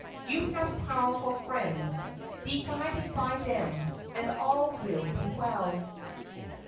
You have powerful friends. Be guided by them, and all will be well."